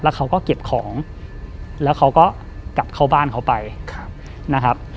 เขาก็เก็บของแล้วเขาก็กลับเข้าบ้านเขาไปนะครับ